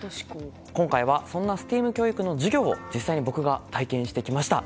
今回はそんなＳＴＥＡＭ教育の授業を僕が体験してきました。